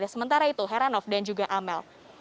sementara itu heranov dan juga amel